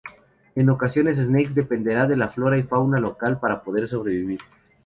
En ocasiones, Snake dependerá de la flora y fauna local para poder sobrevivir.